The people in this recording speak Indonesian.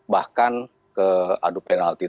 bahkan ke adu penalti